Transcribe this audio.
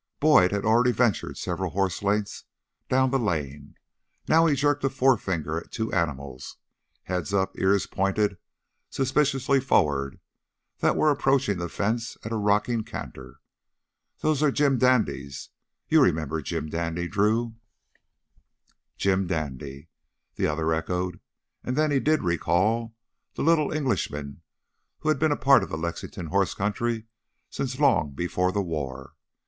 Boyd had already ventured several horse lengths down the lane. Now he jerked a forefinger at two animals, heads up, ears pointed suspiciously forward, that were approaching the fence at a rocking canter. "Those are Jim Dandy's! You remember Jim Dandy, Drew?" "Jim Dandy ?" the other echoed. And then he did recall the little Englishman who had been a part of the Lexington horse country since long before the war.